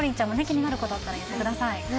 気になることあったら言ってください